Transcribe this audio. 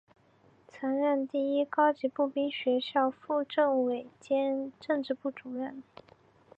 曾任第一高级步兵学校副政委兼政治部主任。